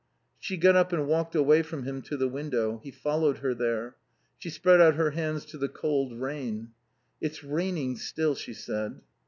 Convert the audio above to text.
She got up and walked away from him to the window. He followed her there. She spread out her hands to the cold rain. "It's raining still," she said.